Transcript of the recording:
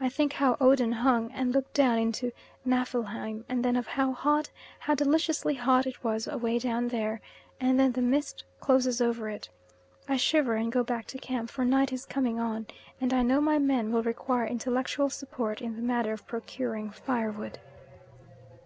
I think how Odin hung and looked down into Nifelheim, and then of how hot, how deliciously hot, it was away down there, and then the mist closes over it. I shiver and go back to camp, for night is coming on, and I know my men will require intellectual support in the matter of procuring firewood.